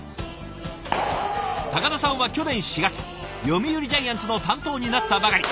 高田さんは去年４月読売ジャイアンツの担当になったばかり。